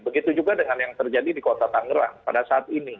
begitu juga dengan yang terjadi di kota tangerang pada saat ini